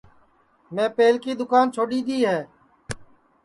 میں پہلکی دؔوکان چھوڈؔی دؔی ہے